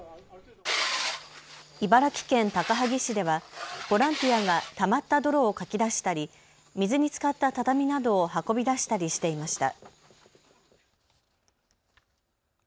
茨城県高萩市ではボランティアがたまった泥をかき出したり水につかった畳などを運び出したりしていました。